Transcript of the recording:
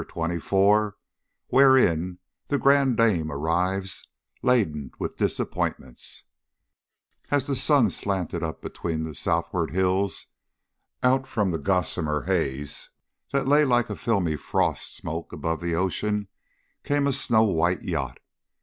CHAPTER XXIV WHEREIN "THE GRANDE DAME" ARRIVES, LADEN WITH DISAPPOINTMENTS As the sun slanted up between the southward hills, out from the gossamer haze that lay like filmy forest smoke above the ocean came a snow white yacht.